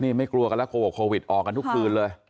นี่ไม่กลัวกันแล้วโควิดออกกันทุกคืนเลย